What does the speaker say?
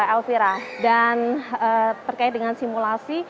elvira dan terkait dengan simulasi